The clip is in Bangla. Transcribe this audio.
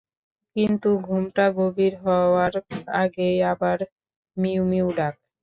কিন্তু ঘুমটা গভীর হওয়ার আগেই আবার মিউ মিউ ডাক।